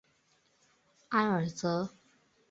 埃尔泽。